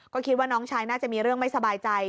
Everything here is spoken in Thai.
ก็คิดว่าน้องชายน่าจะมีเรื่องไม่สบายใจ